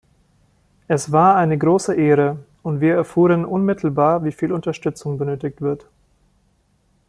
Es war eine große Ehre, und wir erfuhren unmittelbar, wie viel Unterstützung benötigt wird.